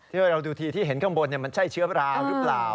ที่เราดูทีที่เห็นข้างบนมันใช่เชื้อราหรือเปล่า